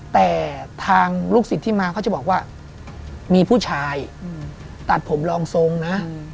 แต่ทางลูกศิษย์ที่มาเขาจะบอกว่ามีผู้ชายตัดผมรองทรงนะ